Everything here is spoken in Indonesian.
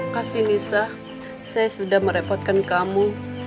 kasih nisa saya sudah merepotkan kamu